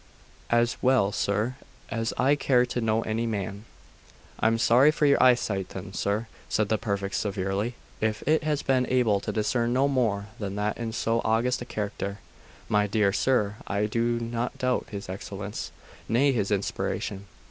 'As well, sir, as I care to know any man.' 'I am sorry for your eyesight, then, sir,' said the Prefect severely, 'if it has been able to discern no more than that in so august a character.' 'My dear sir, I do not doubt his excellence nay, his inspiration.